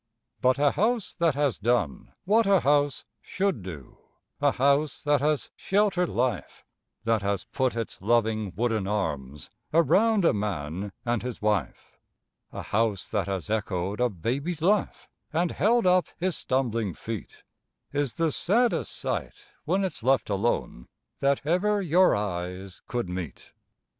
But a house that has done what a house should do, a house that has sheltered life, That has put its loving wooden arms around a man and his wife, A house that has echoed a baby's laugh and held up his stumbling feet, Is the saddest sight, when it's left alone, that ever your eyes could meet.